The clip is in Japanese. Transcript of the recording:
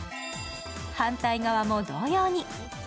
反対側も同様に。